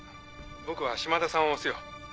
僕は島田さんを推すよ。